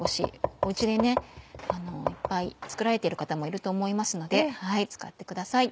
お家でいっぱい作られている方もいると思いますので使ってください。